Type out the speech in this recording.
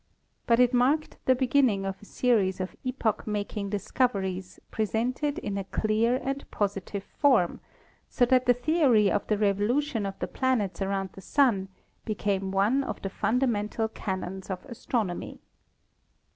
But it marked the beginning of a series of epoch making dis coveries presented in a clear and positive form, so that the theory of the revolution of the planets around the Sun became one of the fundamental canons of astronomy.